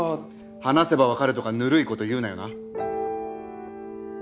話せばわかるとかぬるい事言うなよな。